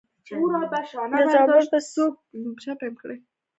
د زابل په سیوري کې د کرومایټ نښې شته.